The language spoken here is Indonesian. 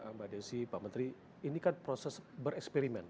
kalau menurut saya mbak desi pak menteri ini kan proses bereksperimen